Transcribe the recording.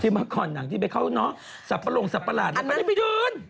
ที่เมื่อก่อนหนังที่ไปเข้าน้อสับปะโรงสับปะหลาดไม่ได้ไปเดิน